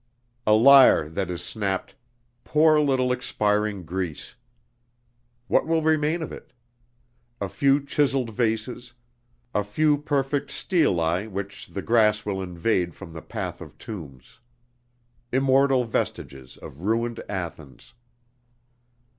A lyre that is snapped.... "Poor little expiring Greece!" What will remain of it? A few chiseled vases, a few perfect stelae which the grass will invade from the Path of Tombs. Immortal vestiges of ruined Athens....